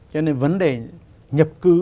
cho nên vấn đề nhập cư